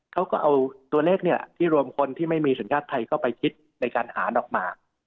เขาก็เอาตัวเลขที่รวมคนที่ไม่มีสัญชาติไทยเข้าไปคิดในการหาดอกหมาก